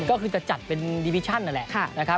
ก็คือจะจัดเป็นดิวิชั่นนั่นแหละนะครับ